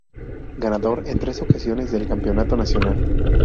Ganador en tres ocasiones del Campeonato Nacional.